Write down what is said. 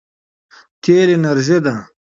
تېل انرژي ده.